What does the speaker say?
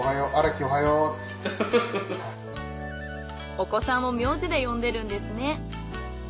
お子さんを名字で呼んでるんですね。